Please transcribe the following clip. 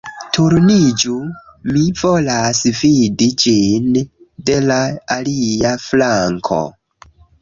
Turniĝu mi volas vidi ĝin de la alia flanko